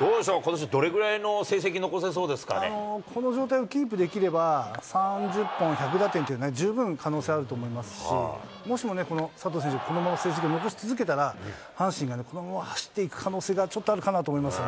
どうでしょう、ことしどれぐらいこの状態をキープできれば、３０本、１００打点というのも十分可能性あると思いますし、もしも佐藤選手、このまま成績を残し続けたら、阪神がこのまま走っていく可能性がちょっとあるかなと思いますね。